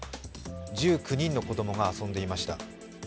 １９人の子供が遊んでいました。